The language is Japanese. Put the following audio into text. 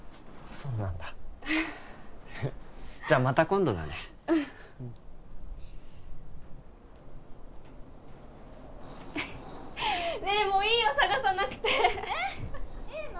そうなんだじゃあまた今度だねうんねえもういいよさがさなくてえっいいの？